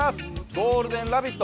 「ゴールデンラヴィット！」